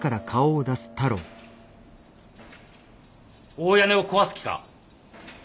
大屋根を壊す気か？